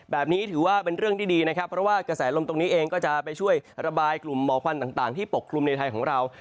แบบนี้ถือว่าเป็นเรื่องที่ดีนะครับเพราะว่ากระแสลมตรงนี้เองก็จะไปช่วยระบายกลุ่มหมอควันต่างที่ปกคลุมในไทยของเรา